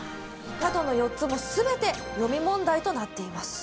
角の４つも全て読み問題となっています